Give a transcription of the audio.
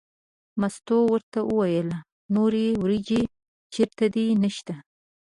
مستو ورته وویل نورې وریجې چېرته دي نشته.